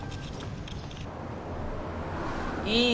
いい？